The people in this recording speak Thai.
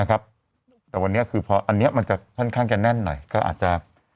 อันนี้มันจะค่อนข้างแค่แน่นหน่อยก็อาจจะ